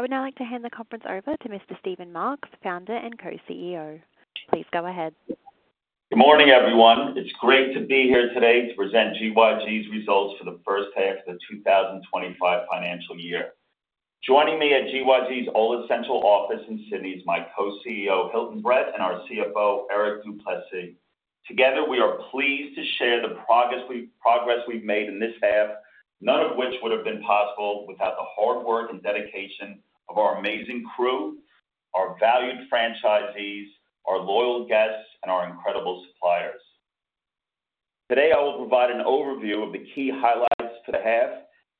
I would now like to hand the conference over to Mr. Steven Marks, Founder and Co-CEO. Please go ahead. Good morning, everyone. It's great to be here today to present GYG's results for the first half of the 2025 financial year. Joining me at GYG's Surry Hills office in Sydney is my Co-CEO, Hilton Brett, and our CFO, Erik du Plessis. Together, we are pleased to share the progress we've made in this half, none of which would have been possible without the hard work and dedication of our amazing crew, our valued franchisees, our loyal guests, and our incredible suppliers. Today, I will provide an overview of the key highlights for the half.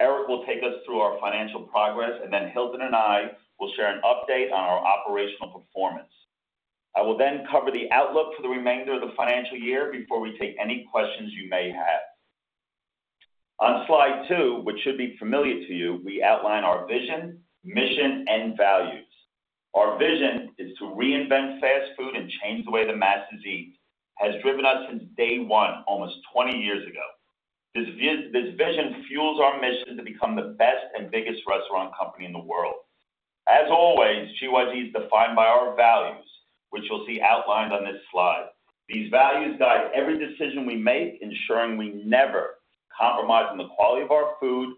Erik will take us through our financial progress, and then Hilton and I will share an update on our operational performance. I will then cover the outlook for the remainder of the financial year before we take any questions you may have. On slide two, which should be familiar to you, we outline our vision, mission, and values. Our vision is to reinvent fast food and change the way the masses eat, has driven us since day one, almost 20 years ago. This vision fuels our mission to become the best and biggest restaurant company in the world. As always, GYG is defined by our values, which you'll see outlined on this slide. These values guide every decision we make, ensuring we never compromise on the quality of our food,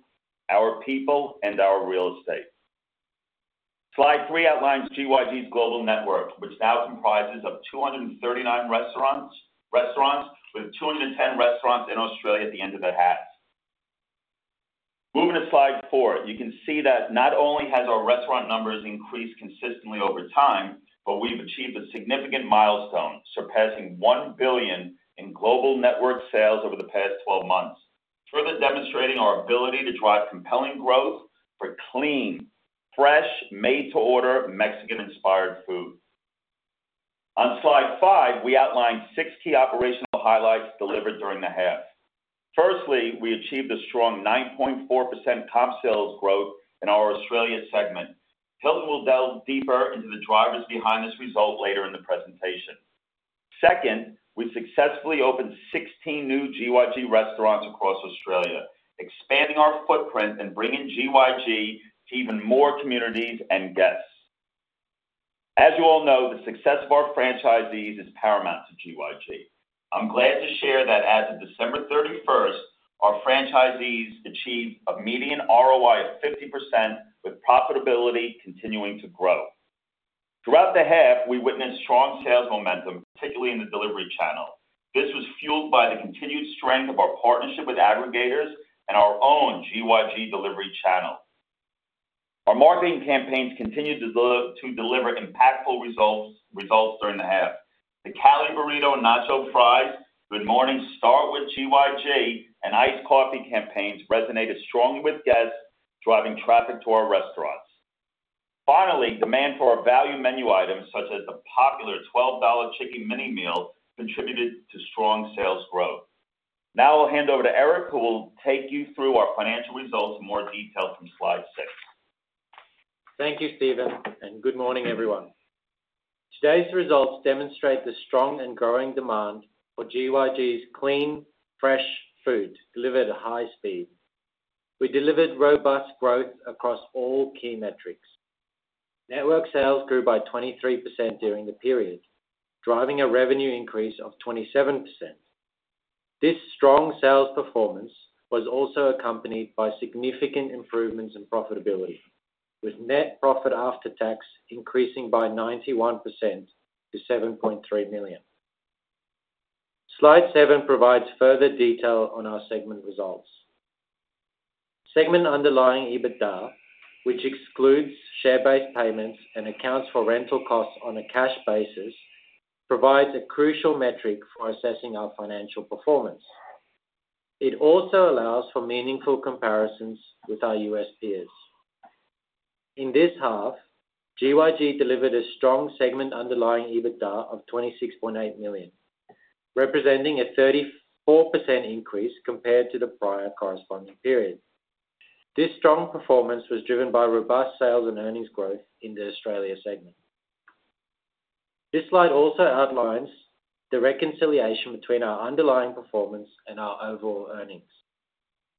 our people, and our real estate. Slide three outlines GYG's global network, which now comprises 239 restaurants, with 210 restaurants in Australia at the end of the half. Moving to slide four, you can see that not only have our restaurant numbers increased consistently over time, but we've achieved a significant milestone, surpassing 1 billion in global network sales over the past 12 months, further demonstrating our ability to drive compelling growth for clean, fresh, made-to-order, Mexican-inspired food. On slide five, we outline six key operational highlights delivered during the half. Firstly, we achieved a strong 9.4% comp sales growth in our Australia segment. Hilton will delve deeper into the drivers behind this result later in the presentation. Second, we successfully opened 16 new GYG restaurants across Australia, expanding our footprint and bringing GYG to even more communities and guests. As you all know, the success of our franchisees is paramount to GYG. I'm glad to share that as of December 31st, our franchisees achieved a median ROI of 50%, with profitability continuing to grow. Throughout the half, we witnessed strong sales momentum, particularly in the delivery channel. This was fueled by the continued strength of our partnership with aggregators and our own GYG delivery channel. Our marketing campaigns continued to deliver impactful results during the half. The Cali Burrito, Nacho Fries, Good Mornings Start with GYG, and Iced Coffee campaigns resonated strongly with guests, driving traffic to our restaurants. Finally, demand for our value menu items, such as the popular $12 Chicken Mini Meal, contributed to strong sales growth. Now I'll hand over to Erik, who will take you through our financial results in more detail from slide six. Thank you, Steven, and good morning, everyone. Today's results demonstrate the strong and growing demand for GYG's clean, fresh food delivered at a high speed. We delivered robust growth across all key metrics. Network sales grew by 23% during the period, driving a revenue increase of 27%. This strong sales performance was also accompanied by significant improvements in profitability, with Net Profit After Tax increasing by 91% to 7.3 million. Slide seven provides further detail on our segment results. Segment underlying EBITDA, which excludes share-based payments and accounts for rental costs on a cash basis, provides a crucial metric for assessing our financial performance. It also allows for meaningful comparisons with our U.S. peers. In this half, GYG delivered a strong segment underlying EBITDA of 26.8 million, representing a 34% increase compared to the prior corresponding period. This strong performance was driven by robust sales and earnings growth in the Australia segment. This slide also outlines the reconciliation between our underlying performance and our overall earnings.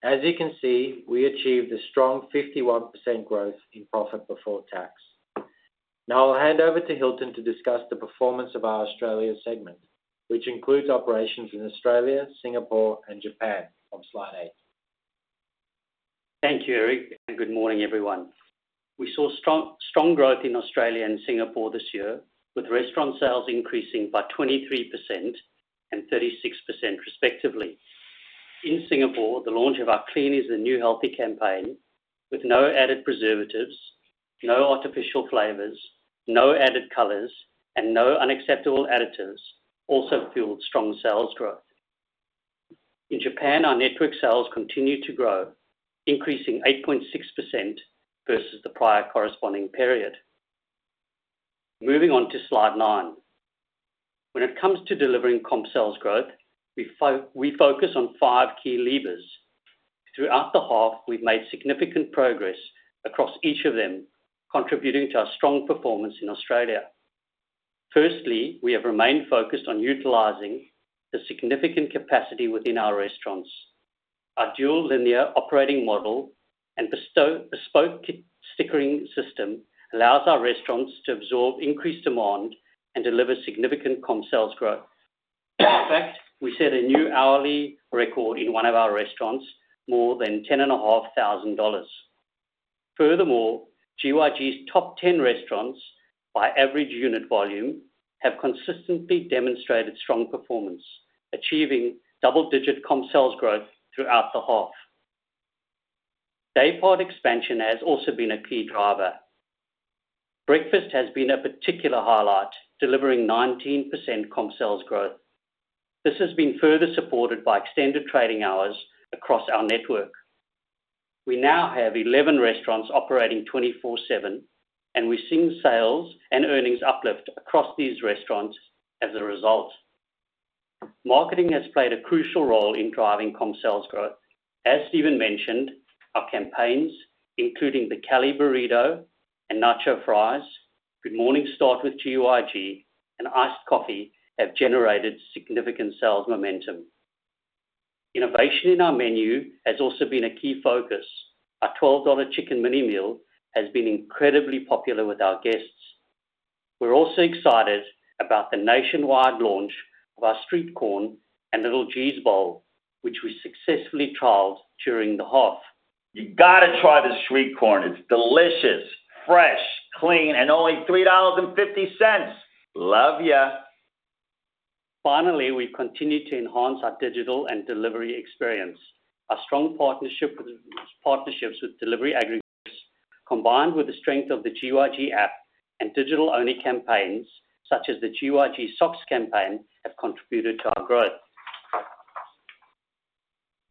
As you can see, we achieved a strong 51% growth in profit before tax. Now I'll hand over to Hilton to discuss the performance of our Australia segment, which includes operations in Australia, Singapore, and Japan from slide eight. Thank you, Erik, and good morning, everyone. We saw strong growth in Australia and Singapore this year, with restaurant sales increasing by 23% and 36%, respectively. In Singapore, the launch of our Clean is the New Healthy campaign, with no added preservatives, no artificial flavors, no added colors, and no unacceptable additives, also fueled strong sales growth. In Japan, our network sales continued to grow, increasing 8.6% versus the prior corresponding period. Moving on to slide nine. When it comes to delivering comp sales growth, we focus on five key levers. Throughout the half, we've made significant progress across each of them, contributing to our strong performance in Australia. Firstly, we have remained focused on utilizing the significant capacity within our restaurants. Our dual linear operating model and bespoke stickering system allows our restaurants to absorb increased demand and deliver significant comp sales growth. In fact, we set a new hourly record in one of our restaurants, more than 10,500 dollars. Furthermore, GYG's top 10 restaurants, by average unit volume, have consistently demonstrated strong performance, achieving double-digit comp sales growth throughout the half. Daypart expansion has also been a key driver. Breakfast has been a particular highlight, delivering 19% comp sales growth. This has been further supported by extended trading hours across our network. We now have 11 restaurants operating 24/7, and we've seen sales and earnings uplift across these restaurants as a result. Marketing has played a crucial role in driving comp sales growth. As Steven mentioned, our campaigns, including the Cali Burrito and Nacho Fries, Good Mornings Start with GYG, and Iced Coffee, have generated significant sales momentum. Innovation in our menu has also been a key focus. Our $12 Chicken Mini Meal has been incredibly popular with our guests. We're also excited about the nationwide launch of our Street Corn and Little G's Bowl, which we successfully trialed during the half. You got to try the Street Corn. It's delicious, fresh, clean, and only 3.50 dollars. Love you! Finally, we've continued to enhance our digital and delivery experience. Our strong partnerships with delivery aggregators, combined with the strength of the GYG app and digital-only campaigns such as the GYG Socks campaign, have contributed to our growth.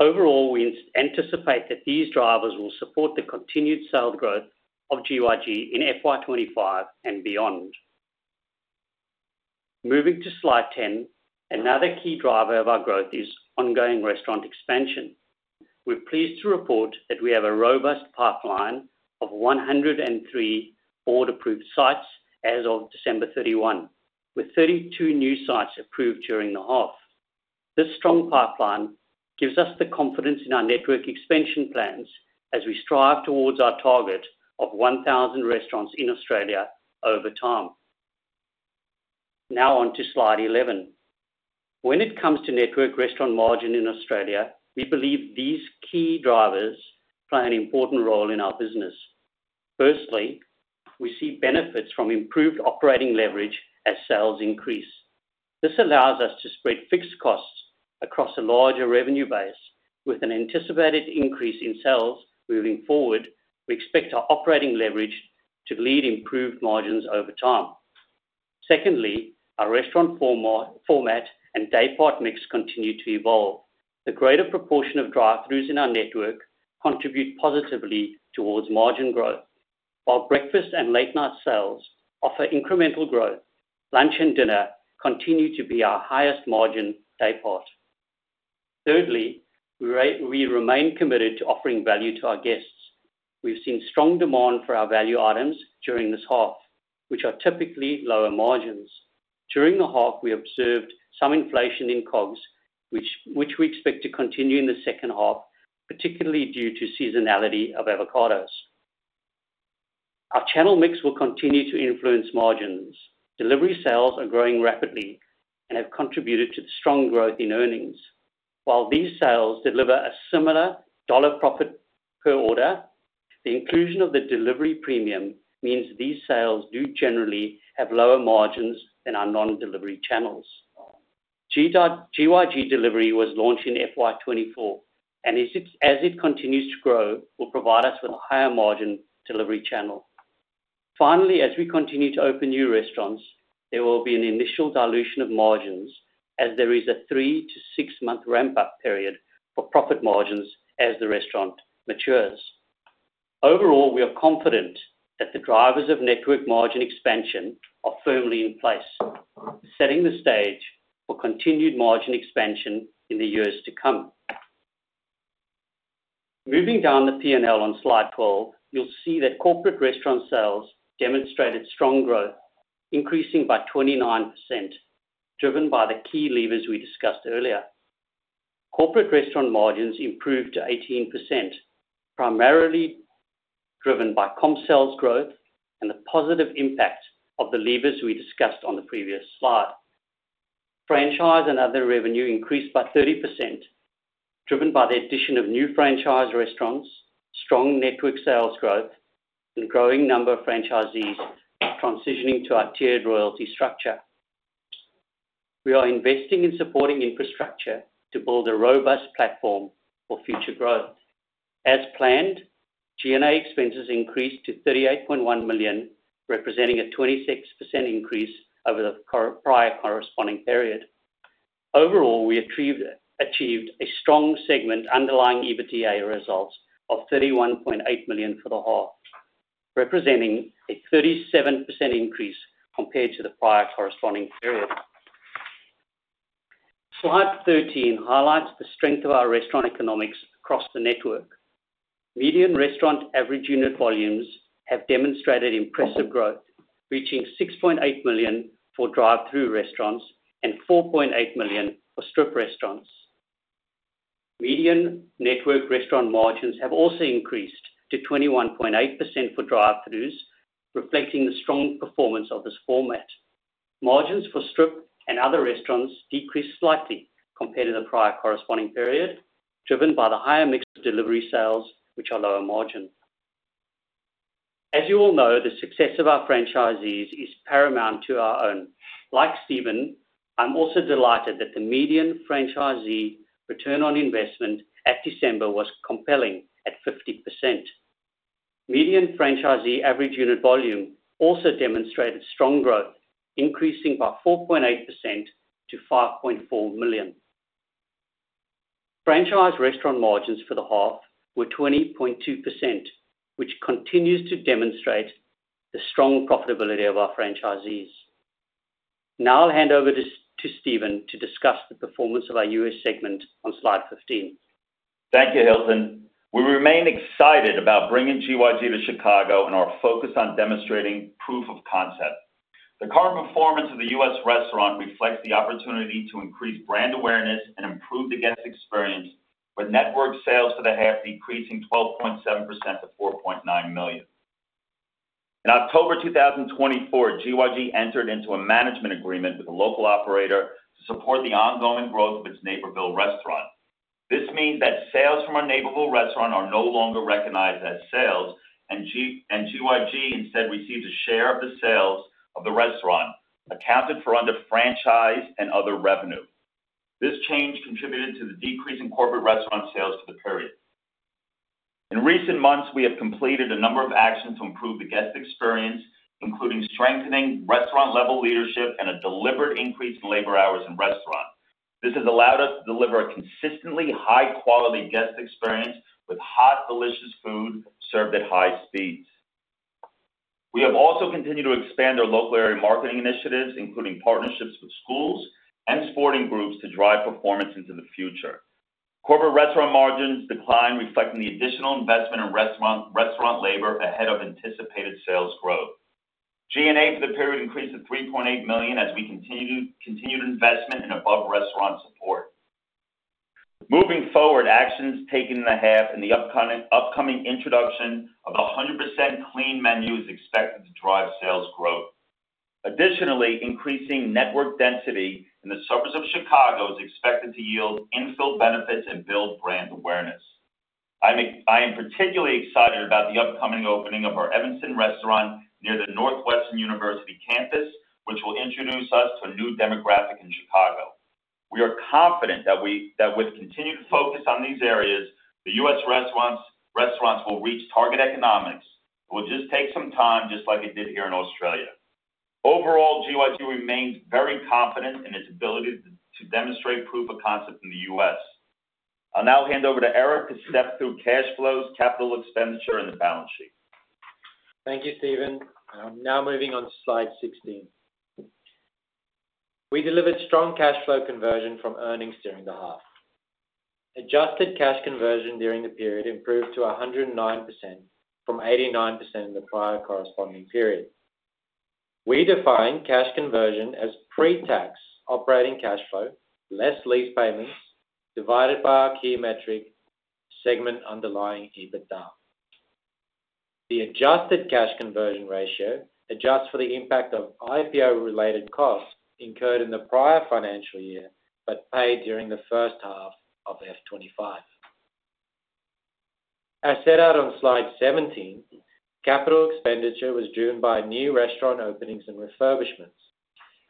Overall, we anticipate that these drivers will support the continued sales growth of GYG in FY 2025 and beyond. Moving to slide 10, another key driver of our growth is ongoing restaurant expansion. We're pleased to report that we have a robust pipeline of 103 board-approved sites as of December 31, with 32 new sites approved during the half. This strong pipeline gives us the confidence in our network expansion plans as we strive towards our target of 1,000 restaurants in Australia over time. Now on to slide 11. When it comes to network restaurant margin in Australia, we believe these key drivers play an important role in our business. Firstly, we see benefits from improved operating leverage as sales increase. This allows us to spread fixed costs across a larger revenue base. With an anticipated increase in sales moving forward, we expect our operating leverage to lead improved margins over time. Secondly, our restaurant format and daypart mix continue to evolve. The greater proportion of drive-throughs in our network contributes positively towards margin growth. While breakfast and late-night sales offer incremental growth, lunch and dinner continue to be our highest margin daypart. Thirdly, we remain committed to offering value to our guests. We've seen strong demand for our value items during this half, which are typically lower margins. During the half, we observed some inflation in COGS, which we expect to continue in the second half, particularly due to seasonality of avocados. Our channel mix will continue to influence margins. Delivery sales are growing rapidly and have contributed to the strong growth in earnings. While these sales deliver a similar dollar profit per order, the inclusion of the delivery premium means these sales do generally have lower margins than our non-delivery channels. GYG delivery was launched in FY 2024, and as it continues to grow, will provide us with a higher margin delivery channel. Finally, as we continue to open new restaurants, there will be an initial dilution of margins as there is a three- to six-month ramp-up period for profit margins as the restaurant matures. Overall, we are confident that the drivers of network margin expansion are firmly in place, setting the stage for continued margin expansion in the years to come. Moving down the P&L on slide 12, you'll see that corporate restaurant sales demonstrated strong growth, increasing by 29%, driven by the key levers we discussed earlier. Corporate restaurant margins improved to 18%, primarily driven by comp sales growth and the positive impact of the levers we discussed on the previous slide. Franchise and other revenue increased by 30%, driven by the addition of new franchise restaurants, strong network sales growth, and growing number of franchisees transitioning to our tiered loyalty structure. We are investing in supporting infrastructure to build a robust platform for future growth. As planned, G&A expenses increased to 38.1 million, representing a 26% increase over the prior corresponding period. Overall, we achieved a strong segment underlying EBITDA results of 31.8 million for the half, representing a 37% increase compared to the prior corresponding period. Slide 13 highlights the strength of our restaurant economics across the network. Median restaurant average unit volumes have demonstrated impressive growth, reaching 6.8 million for drive thru restaurants and 4.8 million for strip restaurants. Median network restaurant margins have also increased to 21.8% for drive thrus, reflecting the strong performance of this format. Margins for strip and other restaurants decreased slightly compared to the prior corresponding period, driven by the higher mix of delivery sales, which are lower margin. As you all know, the success of our franchisees is paramount to our own. Like Steven, I'm also delighted that the median franchisee return on investment at December was compelling at 50%. Median franchisee average unit volume also demonstrated strong growth, increasing by 4.8% to 5.4 million. Franchise restaurant margins for the half were 20.2%, which continues to demonstrate the strong profitability of our franchisees. Now I'll hand over to Steven to discuss the performance of our U.S. segment on slide 15. Thank you, Hilton. We remain excited about bringing GYG to Chicago and our focus on demonstrating proof of concept. The current performance of the U.S. restaurant reflects the opportunity to increase brand awareness and improve the guest experience, with network sales for the half decreasing 12.7% to 4.9 million. In October 2024, GYG entered into a management agreement with a local operator to support the ongoing growth of its Naperville restaurant. This means that sales from our Naperville restaurant are no longer recognized as sales, and GYG instead receives a share of the sales of the restaurant, accounted for under franchise and other revenue. This change contributed to the decrease in corporate restaurant sales for the period. In recent months, we have completed a number of actions to improve the guest experience, including strengthening restaurant-level leadership and a deliberate increase in labor hours in restaurants. This has allowed us to deliver a consistently high-quality guest experience with hot, delicious food served at high speeds. We have also continued to expand our local area marketing initiatives, including partnerships with schools and sporting groups to drive performance into the future. Corporate restaurant margins declined, reflecting the additional investment in restaurant labor ahead of anticipated sales growth. G&A for the period increased to 3.8 million as we continued investment in above-restaurant support. Moving forward, actions taken in the half and the upcoming introduction of a 100% clean menu is expected to drive sales growth. Additionally, increasing network density in the suburbs of Chicago is expected to yield infill benefits and build brand awareness. I am particularly excited about the upcoming opening of our Evanston restaurant near the Northwestern University campus, which will introduce us to a new demographic in Chicago. We are confident that with continued focus on these areas, the U.S. restaurants will reach target economics. It will just take some time, just like it did here in Australia. Overall, GYG remains very confident in its ability to demonstrate proof of concept in the U.S. I'll now hand over to Erik to step through cash flows, capital expenditure, and the balance sheet. Thank you, Steven. Now moving on to slide 16. We delivered strong cash flow conversion from earnings during the half. Adjusted cash conversion during the period improved to 109% from 89% in the prior corresponding period. We define cash conversion as pre-tax operating cash flow, less lease payments, divided by our key metric, segment underlying EBITDA. The adjusted cash conversion ratio adjusts for the impact of IPO-related costs incurred in the prior financial year but paid during the first half of FY 2025. As set out on slide 17, capital expenditure was driven by new restaurant openings and refurbishments,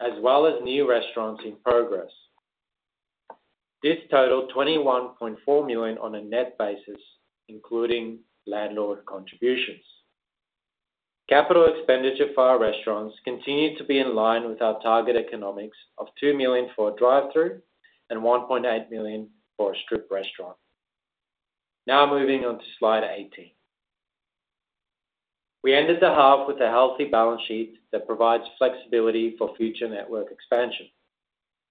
as well as new restaurants in progress. This totaled 21.4 million on a net basis, including landlord contributions. Capital expenditure for our restaurants continued to be in line with our target economics of 2 million for a drive thru and 1.8 million for a strip restaurant. Now moving on to slide 18. We ended the half with a healthy balance sheet that provides flexibility for future network expansion,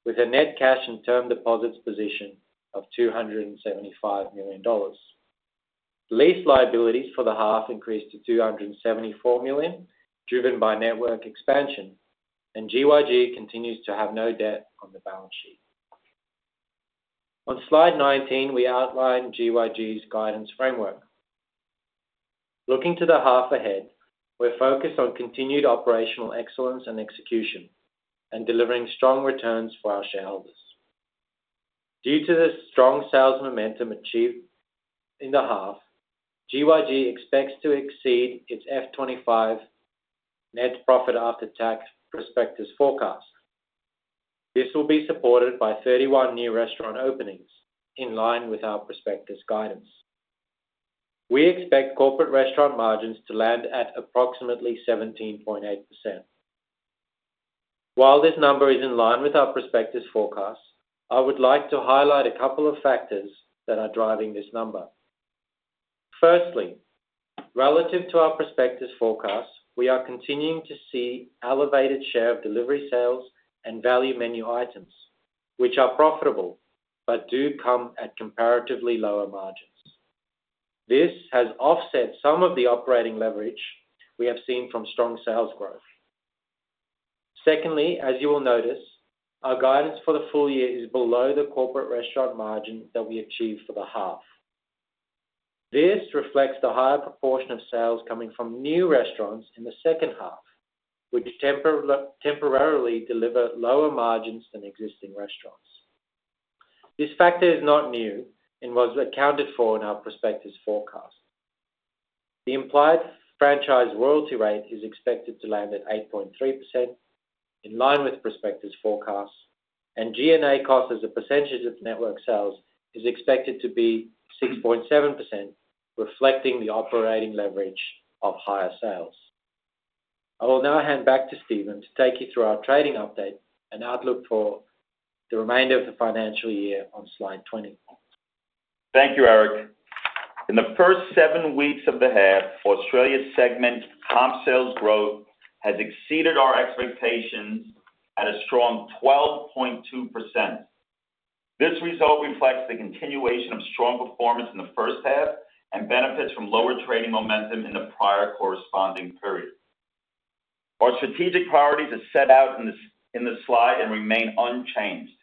with a net cash and term deposits position of 275 million dollars. Lease liabilities for the half increased to 274 million, driven by network expansion, and GYG continues to have no debt on the balance sheet. On slide 19, we outline GYG's guidance framework. Looking to the half ahead, we're focused on continued operational excellence and execution, and delivering strong returns for our shareholders. Due to the strong sales momentum achieved in the half, GYG expects to exceed its FY 2025 net profit after tax prospectus forecast. This will be supported by 31 new restaurant openings in line with our prospectus guidance. We expect corporate restaurant margins to land at approximately 17.8%. While this number is in line with our prospectus forecast, I would like to highlight a couple of factors that are driving this number. Firstly, relative to our prospectus forecast, we are continuing to see an elevated share of delivery sales and value menu items, which are profitable but do come at comparatively lower margins. This has offset some of the operating leverage we have seen from strong sales growth. Secondly, as you will notice, our guidance for the full year is below the corporate restaurant margin that we achieved for the half. This reflects the higher proportion of sales coming from new restaurants in the second half, which temporarily deliver lower margins than existing restaurants. This factor is not new and was accounted for in our prospectus forecast. The implied franchise loyalty rate is expected to land at 8.3%, in line with prospectus forecast, and G&A cost as a percentage of network sales is expected to be 6.7%, reflecting the operating leverage of higher sales. I will now hand back to Steven to take you through our trading update and outlook for the remainder of the financial year on slide 20. Thank you, Erik. In the first seven weeks of the half, Australia's segment comp sales growth has exceeded our expectations at a strong 12.2%. This result reflects the continuation of strong performance in the first half and benefits from lower trading momentum in the prior corresponding period. Our strategic priorities are set out in the slide and remain unchanged.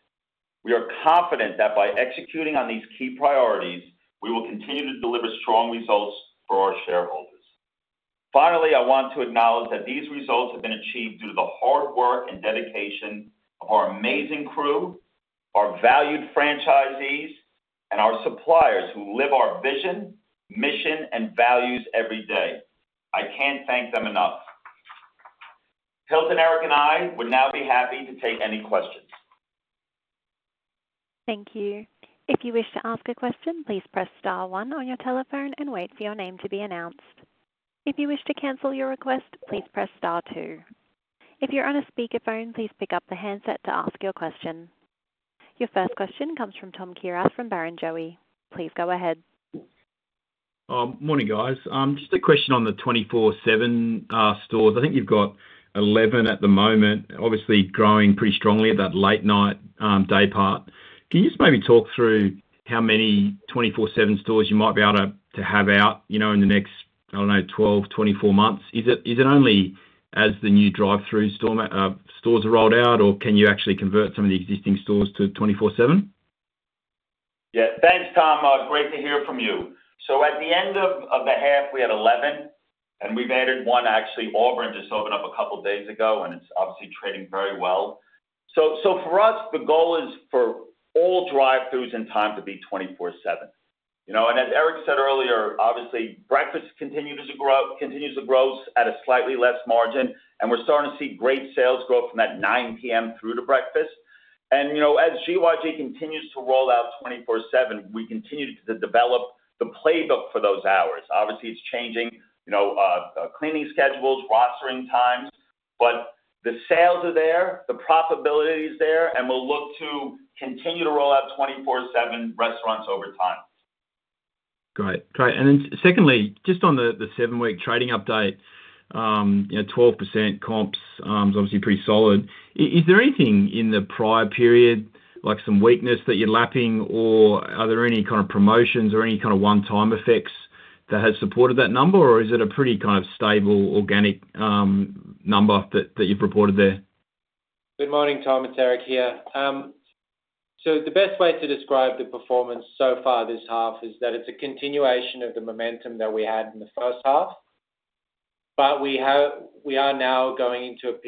We are confident that by executing on these key priorities, we will continue to deliver strong results for our shareholders. Finally, I want to acknowledge that these results have been achieved due to the hard work and dedication of our amazing crew, our valued franchisees, and our suppliers who live our vision, mission, and values every day. I can't thank them enough. Hilton, Erik, and I would now be happy to take any questions. Thank you. If you wish to ask a question, please press star one on your telephone and wait for your name to be announced. If you wish to cancel your request, please press star two. If you're on a speakerphone, please pick up the handset to ask your question. Your first question comes from Tom Kierath from Barrenjoey. Please go ahead. Morning, guys. Just a question on the 24/7 stores. I think you've got 11 at the moment, obviously growing pretty strongly at that late-night daypart. Can you just maybe talk through how many 24/7 stores you might be able to have out in the next, I don't know, 12, 24 months? Is it only as the new drive-through stores are rolled out, or can you actually convert some of the existing stores to 24/7? Yeah. Thanks, Tom. Great to hear from you. So at the end of the half, we had 11, and we've added one, actually, Auburn, just opened up a couple of days ago, and it's obviously trading very well. So for us, the goal is for all drive thrus in time to be 24/7. And as Erik said earlier, obviously, breakfast continues to grow at a slightly less margin, and we're starting to see great sales growth from that 9:00 P.M. through to breakfast. And as GYG continues to roll out 24/7, we continue to develop the playbook for those hours. Obviously, it's changing cleaning schedules, rostering times, but the sales are there, the profitability is there, and we'll look to continue to roll out 24/7 restaurants over time. Great. Great. And then secondly, just on the seven-week trading update, 12% comps is obviously pretty solid. Is there anything in the prior period, like some weakness that you're lapping, or are there any kind of promotions or any kind of one-time effects that have supported that number, or is it a pretty kind of stable, organic number that you've reported there? Good morning. Tom, it's Erik here. So the best way to describe the performance so far this half is that it's a continuation of the momentum that we had in the first half, but we are now going into a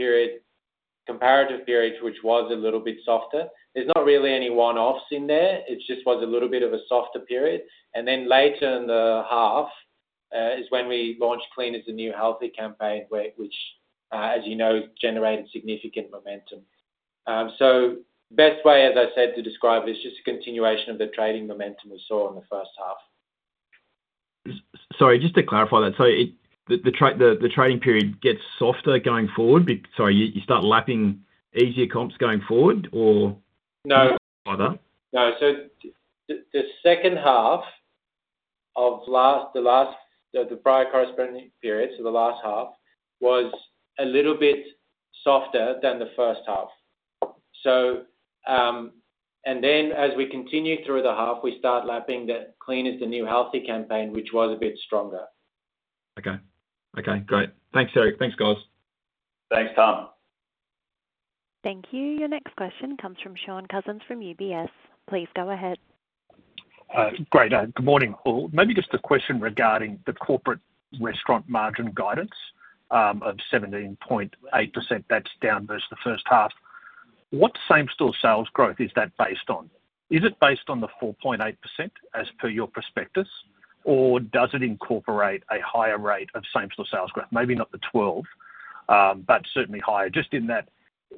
comparative period which was a little bit softer. There's not really any one-offs in there. It just was a little bit of a softer period. And then later in the half is when we launched Clean is the New Healthy campaign, which, as you know, generated significant momentum. So the best way, as I said, to describe it is just a continuation of the trading momentum we saw in the first half. Sorry, just to clarify that. So the trading period gets softer going forward? Sorry, you start lapping easier comps going forward, or? No. Why that? No. So the second half of the prior corresponding period, so the last half, was a little bit softer than the first half. And then as we continue through the half, we start lapping the Clean is the New Healthy campaign, which was a bit stronger. Okay. Okay. Great. Thanks, Erik. Thanks, guys. Thanks, Tom. Thank you. Your next question comes from Shaun Cousins from UBS. Please go ahead. Great. Good morning, all. Maybe just a question regarding the corporate restaurant margin guidance of 17.8%. That's down versus the first half. What same-store sales growth is that based on? Is it based on the 4.8% as per your prospectus, or does it incorporate a higher rate of same-store sales growth? Maybe not the 12%, but certainly higher. Just in that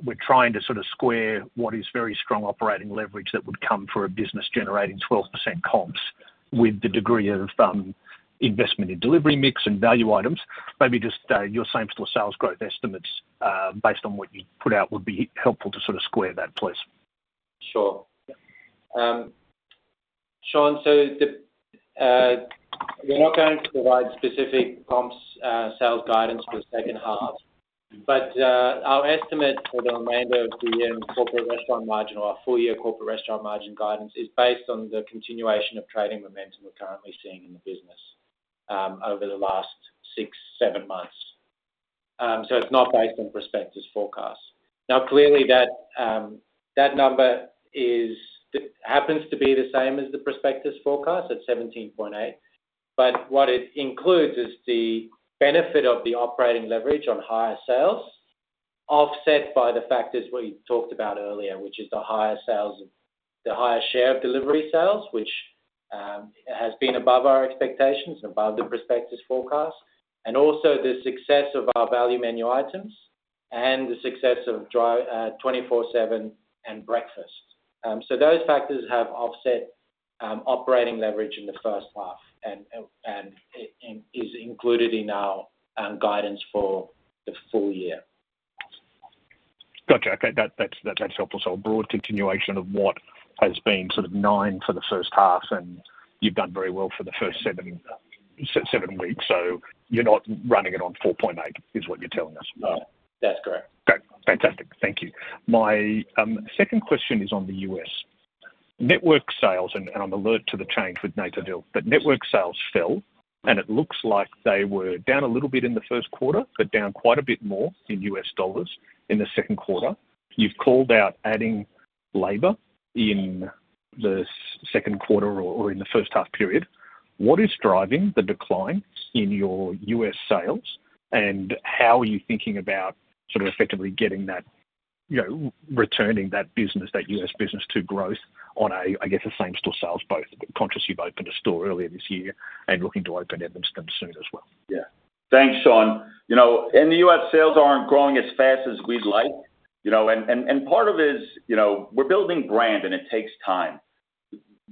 we're trying to sort of square what is very strong operating leverage that would come for a business generating 12% comps with the degree of investment in delivery mix and value items. Maybe just your same-store sales growth estimates based on what you put out would be helpful to sort of square that, please. Sure. Shaun, so we're not going to provide specific comp sales guidance for the second half, but our estimate for the remainder of the year in the corporate restaurant margin, or our full-year corporate restaurant margin guidance, is based on the continuation of trading momentum we're currently seeing in the business over the last six, seven months. So it's not based on prospectus forecasts. Now, clearly, that number happens to be the same as the prospectus forecast at 17.8%, but what it includes is the benefit of the operating leverage on higher sales offset by the factors we talked about earlier, which is the higher share of delivery sales, which has been above our expectations and above the prospectus forecast, and also the success of our value menu items and the success of 24/7 and breakfast. So those factors have offset operating leverage in the first half and is included in our guidance for the full year. Gotcha. Okay. That's helpful. So a broad continuation of what has been sort of nine for the first half, and you've done very well for the first seven weeks. So you're not running it on 4.8, is what you're telling us? That's correct. Fantastic. Thank you. My second question is on the U.S. network sales, and I'm alert to the change with the AUD/USD, but network sales fell, and it looks like they were down a little bit in the first quarter, but down quite a bit more in U.S. dollars in the second quarter. You've called out adding labor in the second quarter or in the first half period. What is driving the decline in your U.S. sales, and how are you thinking about sort of effectively getting that, returning that business, that U.S. business to growth on, I guess, the same-store sales both, but conscious you've opened a store earlier this year and looking to open Evanston soon as well? Yeah. Thanks, Sean. And the US sales aren't growing as fast as we'd like. And part of it is we're building brand, and it takes time.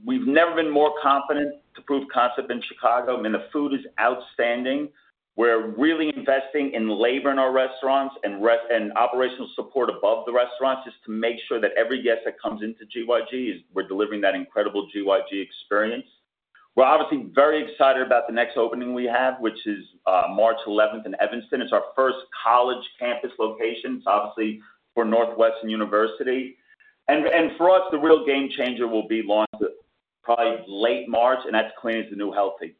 We've never been more confident to prove concept in Chicago. I mean, the food is outstanding. We're really investing in labor in our restaurants and operational support above the restaurants just to make sure that every guest that comes into GYG, we're delivering that incredible GYG experience. We're obviously very excited about the next opening we have, which is March 11th in Evanston. It's our first college campus location. It's obviously for Northwestern University. And for us, the real game changer will be launched probably late March, and that's Clean is the New Healthy.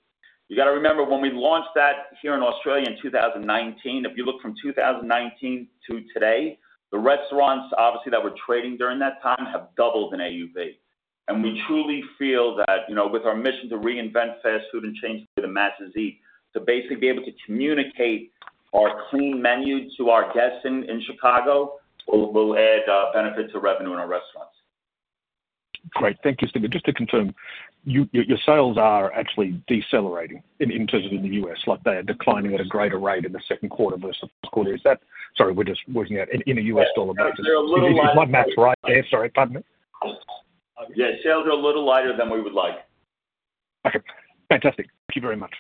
You got to remember, when we launched that here in Australia in 2019, if you look from 2019 to today, the restaurants obviously that were trading during that time have doubled in AUV, and we truly feel that with our mission to reinvent fast food and change the way the masses eat, to basically be able to communicate our clean menu to our guests in Chicago, we'll add benefit to revenue in our restaurants. Great. Thank you, Steven. Just to confirm, your sales are actually decelerating in terms of in the U.S., like they're declining at a greater rate in the second quarter versus the first quarter. Sorry, we're just working out in the U.S. dollar basis. They're a little lighter. It might match. Yeah. Sorry. Pardon me. Yeah. Sales are a little lighter than we would like. Okay. Fantastic. Thank you very much.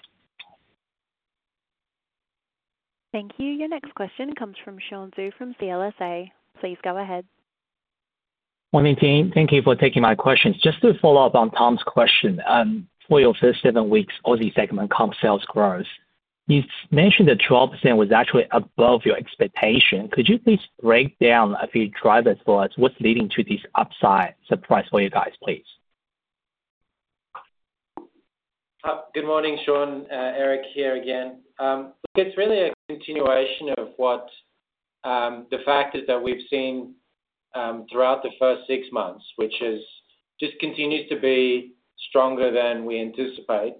Thank you. Your next question comes from Sean Xu from CLSA. Please go ahead. Morning, team. Thank you for taking my questions. Just to follow up on Tom's question, for your first seven weeks, Aussie segment comp sales growth, you mentioned that 12% was actually above your expectation. Could you please break down a few drivers for us? What's leading to this upside surprise for you guys, please? Good morning, Sean. Erik here again. Look, it's really a continuation of the factors that we've seen throughout the first six months, which just continues to be stronger than we anticipate,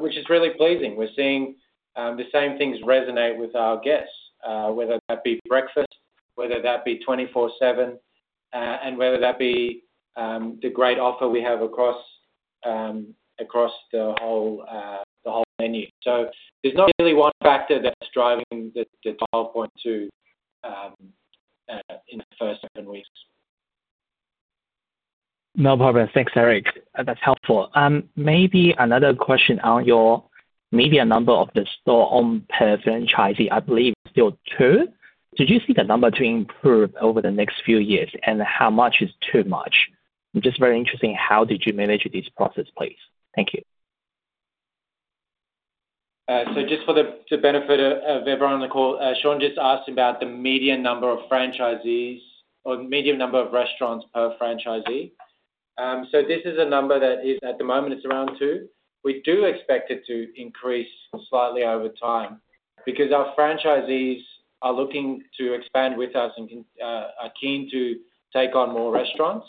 which is really pleasing. We're seeing the same things resonate with our guests, whether that be breakfast, whether that be 24/7, and whether that be the great offer we have across the whole menu. So there's not really one factor that's driving the 12.2 in the first seven weeks. No problem. Thanks, Erik. That's helpful. Maybe another question on your median number of the stores owned by franchisee, I believe still two. Do you see the number improving over the next few years, and how much is too much? I'm just very interested in how you manage this process, please? Thank you. So just for the benefit of everyone on the call, Sean just asked about the median number of franchisees or median number of restaurants per franchisee. So this is a number that is, at the moment, it's around two. We do expect it to increase slightly over time because our franchisees are looking to expand with us and are keen to take on more restaurants.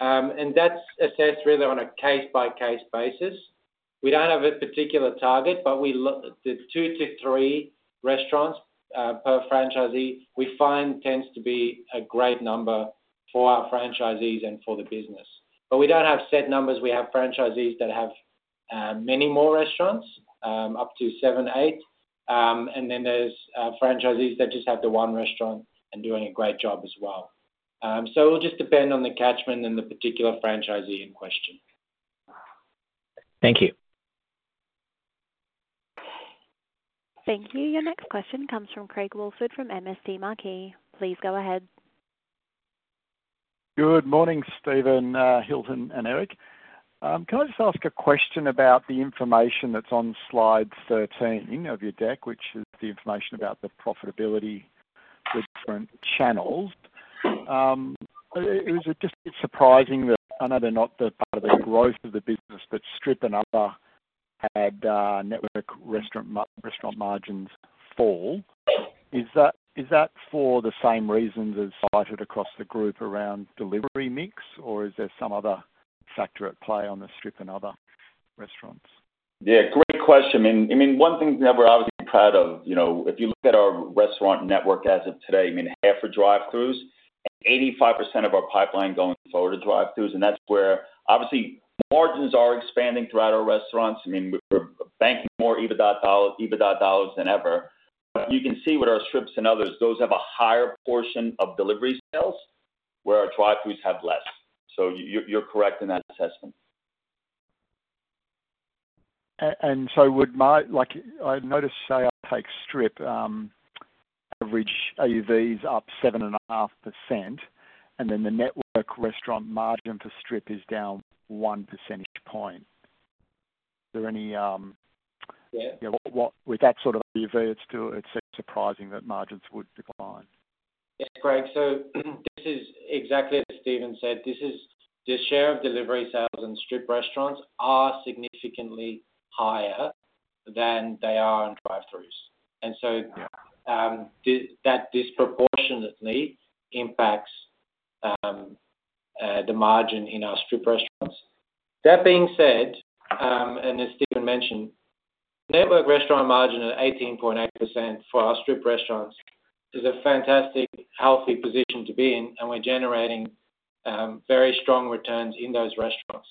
And that's assessed really on a case-by-case basis. We don't have a particular target, but the two to three restaurants per franchisee, we find, tends to be a great number for our franchisees and for the business. But we don't have set numbers. We have franchisees that have many more restaurants, up to seven, eight. And then there's franchisees that just have the one restaurant and doing a great job as well. So it'll just depend on the catchment and the particular franchisee in question. Thank you. Thank you. Your next question comes from Craig Woolford from MST Marquee. Please go ahead. Good morning, Steven, Hilton, and Erik. Can I just ask a question about the information that's on slide 13 of your deck, which is the information about the profitability with different channels? It was just surprising that I know they're not part of the growth of the business, but Strip and Other had network restaurant margins fall. Is that for the same reasons as cited across the group around delivery mix, or is there some other factor at play on the Strip and Other restaurants? Yeah. Great question. I mean, one thing that we're obviously proud of, if you look at our restaurant network as of today, I mean, half are drive-throughs, and 85% of our pipeline going forward are drive-throughs. And that's where obviously margins are expanding throughout our restaurants. I mean, we're banking more EBITDA dollars than ever. But you can see with our strips and others, those have a higher portion of delivery sales where our drive-throughs have less. So you're correct in that assessment. And so I noticed, say, I take strip, average AUV is up 7.5%, and then the network restaurant margin for Strip is down 1 percentage point. Is there any? Yeah. With that sort of AUV, it's surprising that margins would decline. Yeah. Great. So this is exactly what Steven said. The share of delivery sales in Strip restaurants are significantly higher than they are in drive-throughs. And so that disproportionately impacts the margin in our Strip restaurants. That being said, and as Steven mentioned, network restaurant margin at 18.8% for our strip restaurants is a fantastic, healthy position to be in, and we're generating very strong returns in those restaurants.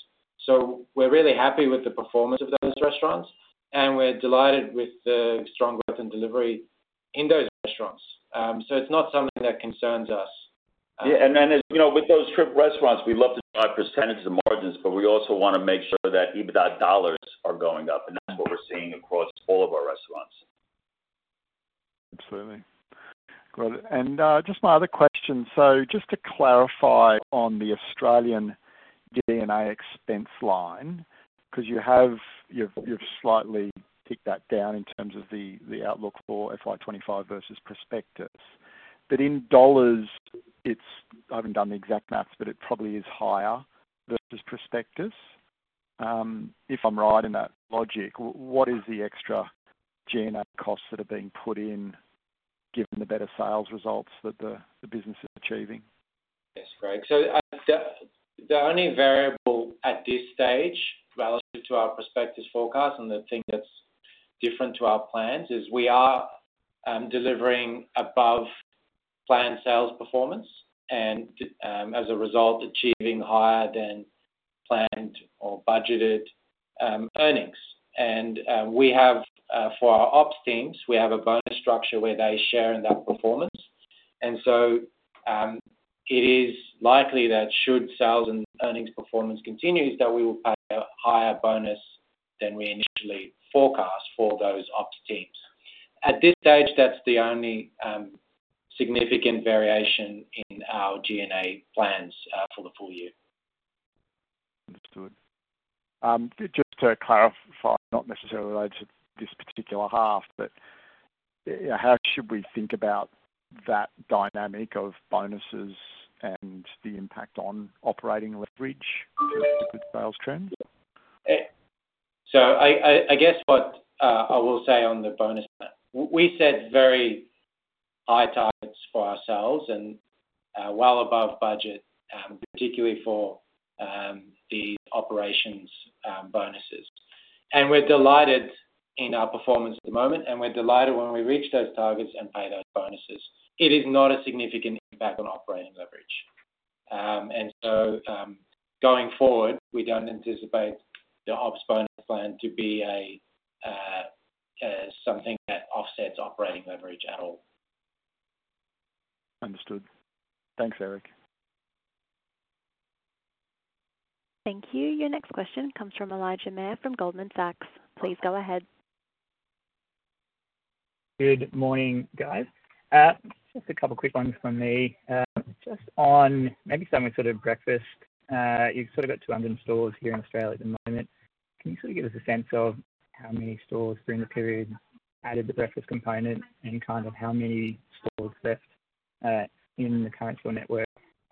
So we're really happy with the performance of those restaurants, and we're delighted with the strong growth in delivery in those restaurants. So it's not something that concerns us. Yeah, and then with those strip restaurants, we love to drive percentage of the margins, but we also want to make sure that EBITDA dollars are going up, and that's what we're seeing across all of our restaurants. Absolutely. Good, and just my other question. So just to clarify on the Australian D&A expense line, because you've slightly ticked that down in terms of the outlook for FY 2025 versus prospectus. But in dollars, I haven't done the exact math, but it probably is higher versus prospectus. If I'm right in that logic, what is the extra G&A costs that are being put in given the better sales results that the business is achieving? That's great. So the only variable at this stage relative to our prospectus forecast and the thing that's different to our plans is we are delivering above planned sales performance and, as a result, achieving higher than planned or budgeted earnings. And for our ops teams, we have a bonus structure where they share in that performance. And so it is likely that should sales and earnings performance continue, that we will pay a higher bonus than we initially forecast for those ops teams. At this stage, that's the only significant variation in our G&A plans for the full year. Understood. Just to clarify, not necessarily related to this particular half, but how should we think about that dynamic of bonuses and the impact on operating leverage with sales trends? I guess what I will say on the bonus plan, we set very high targets for ourselves and well above budget, particularly for the operations bonuses. We're delighted in our performance at the moment, and we're delighted when we reach those targets and pay those bonuses. It is not a significant impact on operating leverage. Going forward, we don't anticipate the ops bonus plan to be something that offsets operating leverage at all. Understood. Thanks, Erik. Thank you. Your next question comes from Elijah Mayr from Goldman Sachs. Please go ahead. Good morning, guys. Just a couple of quick ones from me. Just on maybe something sort of breakfast, you've sort of got 200 stores here in Australia at the moment. Can you sort of give us a sense of how many stores during the period added the breakfast component and kind of how many stores left in the current store network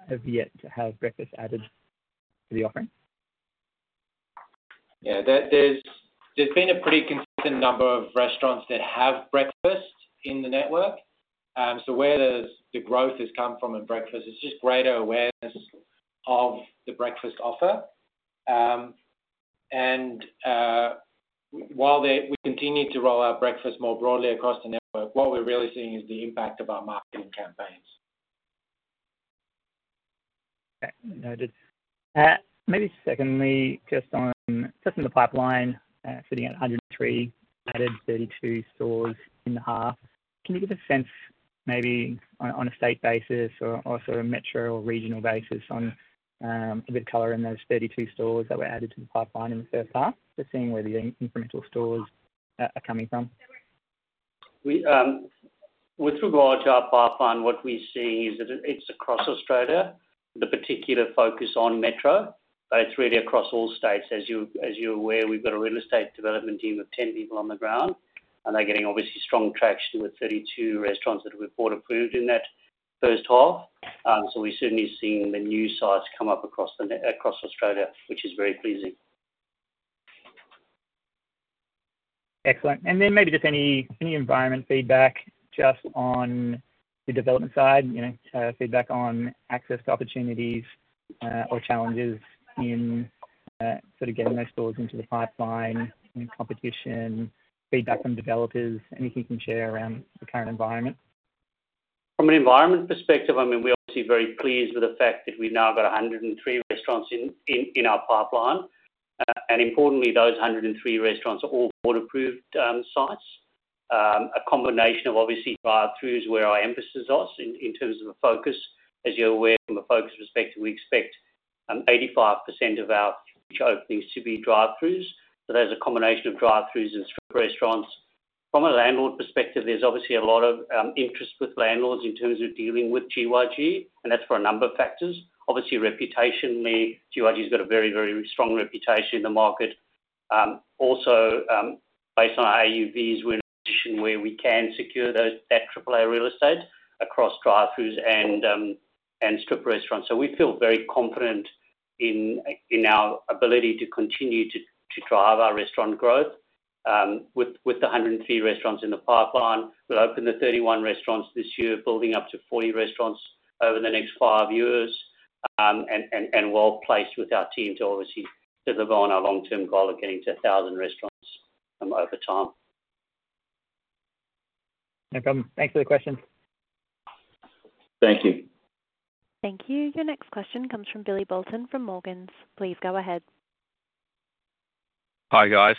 have yet to have breakfast added to the offering? Yeah. There's been a pretty consistent number of restaurants that have breakfast in the network. So where the growth has come from in breakfast is just greater awareness of the breakfast offer. And while we continue to roll out breakfast more broadly across the network, what we're really seeing is the impact of our marketing campaigns. Noted. Maybe secondly, just on the pipeline, sitting at 103, added 32 stores in the half. Can you give a sense maybe on a state basis or sort of metro or regional basis on a bit of color in those 32 stores that were added to the pipeline in the first half, just seeing where the incremental stores are coming from? With regard to our pipeline, what we see is that it's across Australia, the particular focus on metro, but it's really across all states. As you're aware, we've got a real estate development team of 10 people on the ground, and they're getting obviously strong traction with 32 restaurants that we've Board-approved in that first half. So we're certainly seeing the new sites come up across Australia, which is very pleasing. Excellent. And then maybe just any environment feedback just on the development side, feedback on access to opportunities or challenges in sort of getting those stores into the pipeline, competition, feedback from developers, anything you can share around the current environment? From an environment perspective, I mean, we obviously are very pleased with the fact that we've now got 103 restaurants in our pipeline. And importantly, those 103 restaurants are all board-approved sites. A combination of obviously drive-throughs where our emphasis is in terms of the focus. As you're aware, from a focus perspective, we expect 85% of our future openings to be drive-throughs. So there's a combination of drive-throughs and Strip restaurants. From a landlord perspective, there's obviously a lot of interest with landlords in terms of dealing with GYG, and that's for a number of factors. Obviously, reputationally, GYG has got a very, very strong reputation in the market. Also, based on our AUVs, we're in a position where we can secure that AAA real estate across drive-throughs and Strip restaurants. So we feel very confident in our ability to continue to drive our restaurant growth. With the 103 restaurants in the pipeline, we'll open the 31 restaurants this year, building up to 40 restaurants over the next five years, and well-placed with our team to obviously deliver on our long-term goal of getting to 1,000 restaurants over time. No problem. Thanks for the questions. Thank you. Thank you. Your next question comes from Billy Boulton from Morgans. Please go ahead. Hi guys.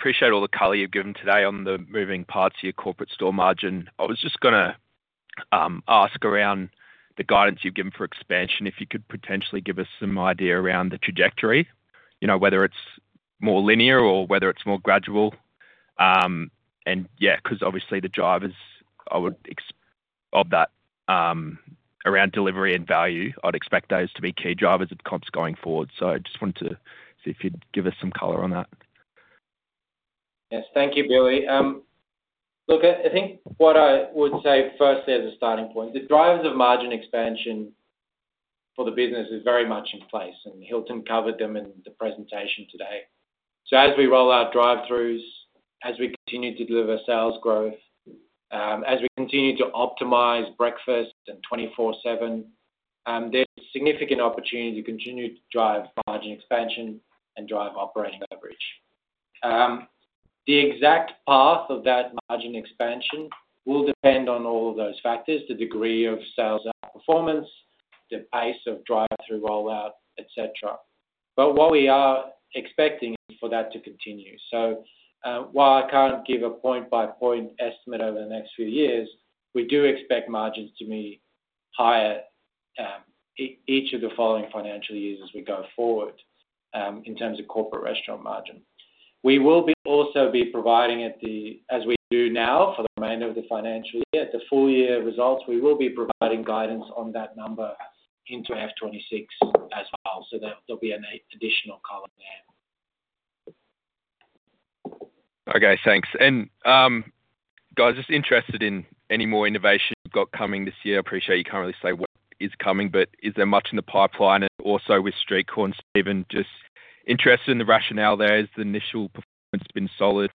Appreciate all the color you've given today on the moving parts of your corporate restaurant margin. I was just going to ask about the guidance you've given for expansion, if you could potentially give us some idea around the trajectory, whether it's more linear or whether it's more gradual, and yeah, because obviously the drivers I would expect of that around delivery and value, I'd expect those to be key drivers of comps going forward, so I just wanted to see if you'd give us some color on that. Yes. Thank you, Billy. Look, I think what I would say firstly as a starting point, the drivers of margin expansion for the business are very much in place, and Hilton covered them in the presentation today. As we roll out drive thrus as we continue to deliver sales growth, as we continue to optimize breakfast and 24/7, there's significant opportunity to continue to drive margin expansion and drive operating leverage. The exact path of that margin expansion will depend on all of those factors: the degree of sales outperformance, the pace of drive-through rollout, etc. But what we are expecting is for that to continue. While I can't give a point-by-point estimate over the next few years, we do expect margins to be higher each of the following financial years as we go forward in terms of corporate restaurant margin. We will also be providing, as we do now for the remainder of the financial year, the full-year results. We will be providing guidance on that number into FY 2026 as well. So there'll be an additional color there. Okay. Thanks. And guys, just interested in any more innovation you've got coming this year. Appreciate you can't really say what is coming, but is there much in the pipeline? And also with Street Corn, Steven, just interested in the rationale there. Has the initial performance been solid?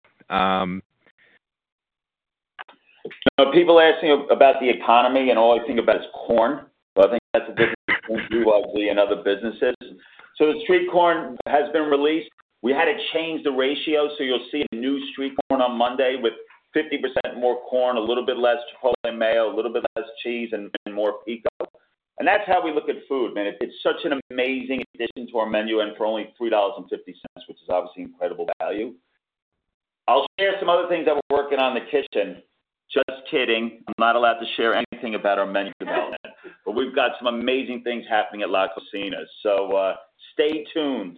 People ask me about the economy, and all I think about is corn, so I think that's a different thing from GYG and other businesses. So the Street Corn has been released. We had to change the ratio, so you'll see a new Street Corn on Monday with 50% more corn, a little bit less Chipotle mayo, a little bit less cheese, and more pico, and that's how we look at food. I mean, it's such an amazing addition to our menu and for only 3.50 dollars, which is obviously incredible value. I'll share some other things that we're working on in the kitchen. Just kidding. I'm not allowed to share anything about our menu development, but we've got some amazing things happening at La Cocina, so stay tuned.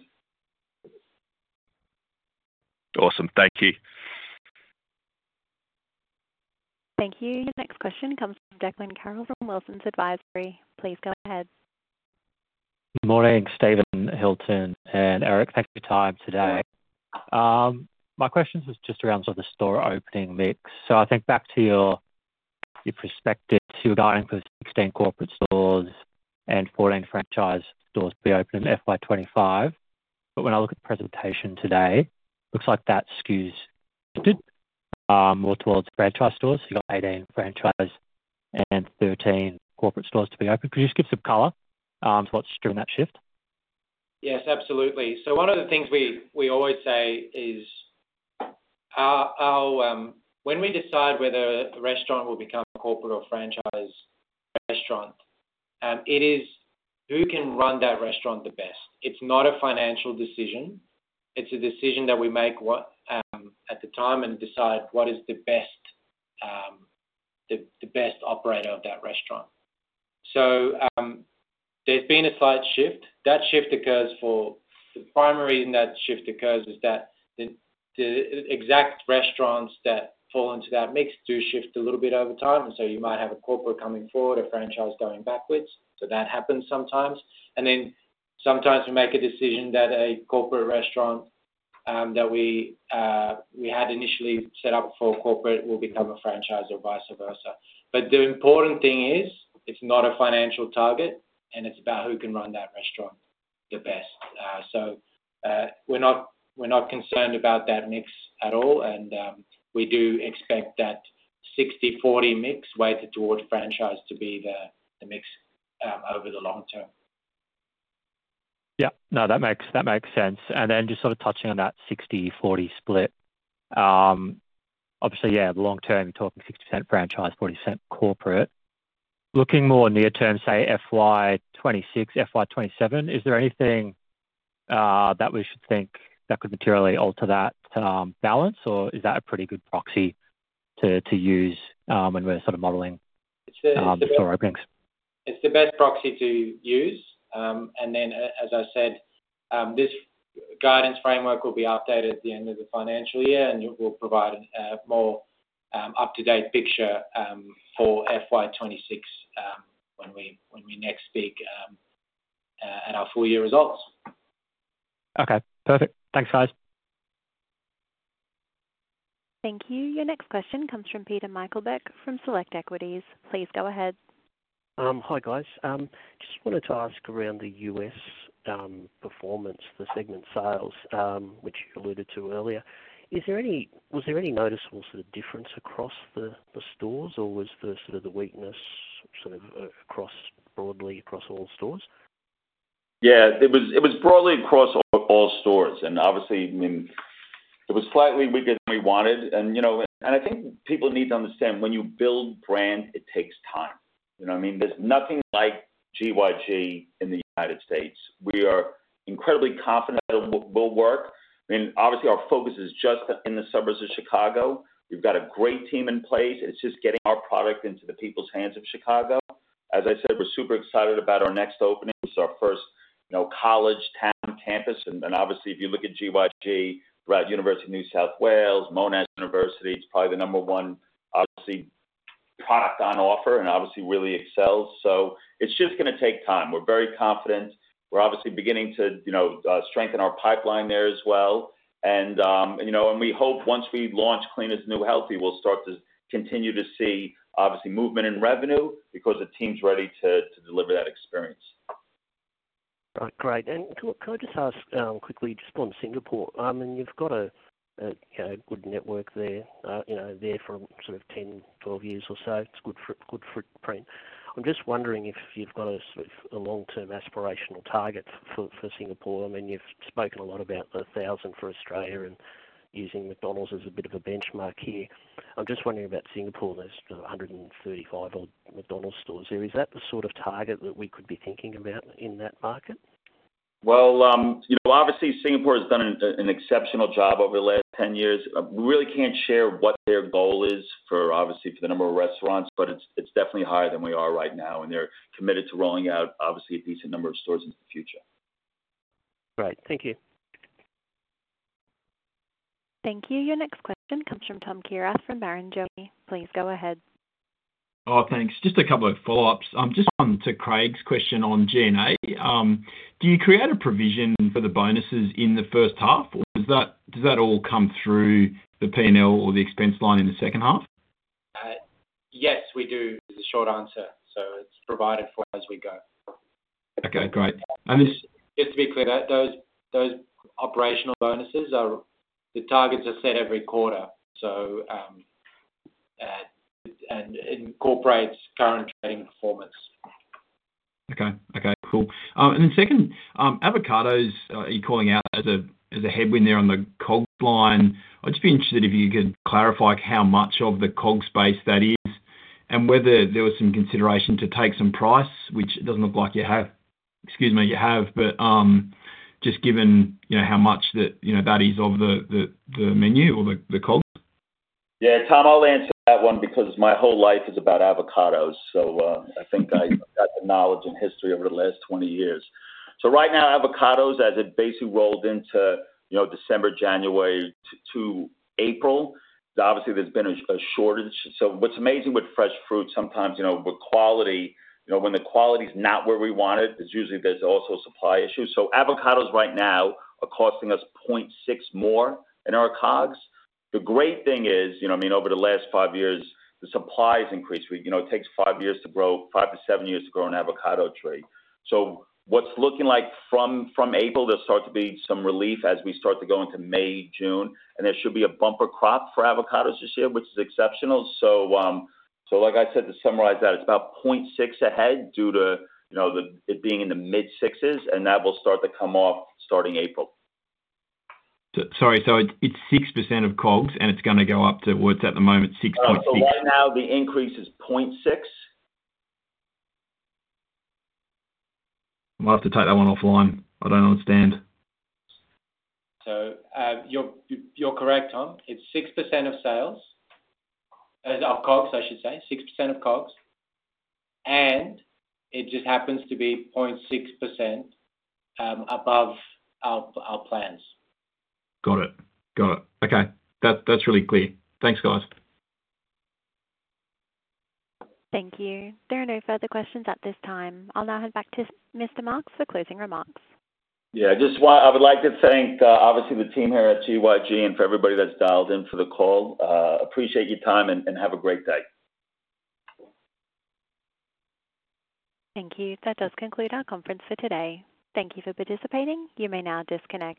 Awesome. Thank you. Thank you. Your next question comes from Declan Carroll from Wilsons Advisory. Please go ahead. Good morning, Steven, Hilton, and Erik. Thanks for your time today. My question was just around sort of the store opening mix. So I think back to your prospectus, you were going for 16 corporate stores and 14 franchise stores to be open in FY 2025. But when I look at the presentation today, it looks like that skew has shifted more towards franchise stores. You've got 18 franchise and 13 corporate stores to be open. Could you just give some color to what's driven that shift? Yes, absolutely. So one of the things we always say is when we decide whether a restaurant will become a corporate or franchise restaurant, it is who can run that restaurant the best. It's not a financial decision. It's a decision that we make at the time and decide what is the best operator of that restaurant. So there's been a slight shift. That shift occurs for the primary reason that shift occurs is that the exact restaurants that fall into that mix do shift a little bit over time. And so you might have a corporate coming forward, a franchise going backwards. So that happens sometimes. And then sometimes we make a decision that a corporate restaurant that we had initially set up for corporate will become a franchise or vice versa. But the important thing is it's not a financial target, and it's about who can run that restaurant the best. So we're not concerned about that mix at all. And we do expect that 60/40 mix weighted towards franchise to be the mix over the long term. Yeah. No, that makes sense. And then just sort of touching on that 60/40 split, obviously, yeah, long term, you're talking 60% franchise, 40% corporate. Looking more near term, say FY 2026, FY 2027, is there anything that we should think that could materially alter that balance, or is that a pretty good proxy to use when we're sort of modeling the store openings? It's the best proxy to use. And then, as I said, this guidance framework will be updated at the end of the financial year, and it will provide a more up-to-date picture for FY 2026 when we next speak at our full-year results. Okay. Perfect. Thanks, guys. Thank you. Your next question comes from Peter Meichelboeck from Select Equities. Please go ahead. Hi, guys. Just wanted to ask around the U.S. performance, the segment sales, which you alluded to earlier. Was there any noticeable sort of difference across the stores, or was there sort of the weakness sort of broadly across all stores? Yeah. It was broadly across all stores, and obviously, I mean, it was slightly weaker than we wanted, and I think people need to understand when you build brand, it takes time. You know what I mean? There's nothing like GYG in the United States. We are incredibly confident that it will work. I mean, obviously, our focus is just in the suburbs of Chicago. We've got a great team in place. It's just getting our product into the people's hands of Chicago. As I said, we're super excited about our next opening. It's our first college town campus, and obviously, if you look at GYG, we're at University of New South Wales, Monash University. It's probably the number one, obviously, product on offer and obviously really excels, so it's just going to take time. We're very confident. We're obviously beginning to strengthen our pipeline there as well. We hope once we launch Clean is the New Healthy, we'll start to continue to see, obviously, movement in revenue because the team's ready to deliver that experience. Great, and can I just ask quickly, just on Singapore, I mean, you've got a good network there. They're from sort of 10, 12 years or so. It's a good footprint. I'm just wondering if you've got a sort of long-term aspirational target for Singapore. I mean, you've spoken a lot about the 1,000 for Australia and using McDonald's as a bit of a benchmark here. I'm just wondering about Singapore and those 135 McDonald's stores. Is that the sort of target that we could be thinking about in that market? Obviously, Singapore has done an exceptional job over the last 10 years. We really can't share what their goal is for, obviously, for the number of restaurants, but it's definitely higher than we are right now. They're committed to rolling out, obviously, a decent number of stores in the future. Great. Thank you. Thank you. Your next question comes from Tom Kierath from Barrenjoey. Please go ahead. Oh, thanks. Just a couple of follow-ups. Just on to Craig's question on G&A. Do you create a provision for the bonuses in the first half, or does that all come through the P&L or the expense line in the second half? Yes, we do. It's a short answer. So it's provided for as we go. Okay. Great. And this. Just to be clear, those operational bonuses, the targets are set every quarter, so it incorporates current trading performance. Okay. Okay. Cool. And then second, avocados, are you calling out as a headwind there on the COGS line? I'd just be interested if you could clarify how much of the COGS base that is and whether there was some consideration to take some price, which it doesn't look like you have, excuse me, you have, but just given how much that is of the menu or the COGS? Yeah. Tom, I'll answer that one because my whole life is about avocados. So I think I've got the knowledge and history over the last 20 years. So right now, avocados, as it basically rolled into December, January, to April, obviously, there's been a shortage. So what's amazing with fresh fruit, sometimes with quality, when the quality is not where we want it, there's usually also supply issues. So avocados right now are costing us 0.6% more than our COGS. The great thing is, I mean, over the last five years, the supply has increased. It takes five years to grow, five to seven years to grow an avocado tree. So what's looking like from April, there'll start to be some relief as we start to go into May, June, and there should be a bumper crop for avocados this year, which is exceptional. Like I said, to summarize that, it's about 0.6 ahead due to it being in the mid-sixes, and that will start to come off starting April. Sorry. So it's 6% of COGS, and it's going to go up to what's at the moment, 6.6%? Right now, the increase is 0.6. I'll have to take that one offline. I don't understand. So you're correct, Tom. It's 6% of sales, of COGS, I should say, 6% of COGS. And it just happens to be 0.6% above our plans. Got it. Got it. Okay. That's really clear. Thanks, guys. Thank you. There are no further questions at this time. I'll now hand back to Mr. Marks for closing remarks. Yeah. Just I would like to thank, obviously, the team here at GYG and for everybody that's dialed in for the call. Appreciate your time and have a great day. Thank you. That does conclude our conference for today. Thank you for participating. You may now disconnect.